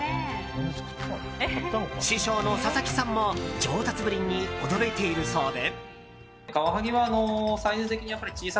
師匠の佐々木さんも上達ぶりに驚いているそうで。